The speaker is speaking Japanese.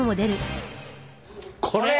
これ？